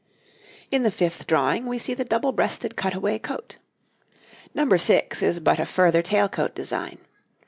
] In the fifth drawing we see the double breasted cut away coat. Number six is but a further tail coat design.